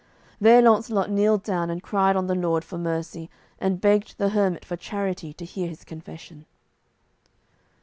There Launcelot kneeled down and cried on the Lord for mercy, and begged the hermit for charity to hear his confession.